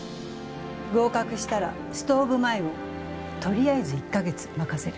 合格したらストーブ前をとりあえず１か月任せる。